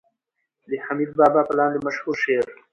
د حميد بابا په لاندې مشهور شعر